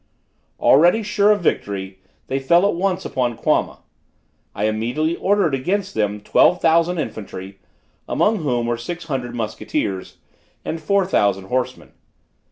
Already sure of victory, they fell at once upon Quama. I immediately ordered against them twelve thousand infantry, among whom were six hundred musketeers, and four thousand horsemen.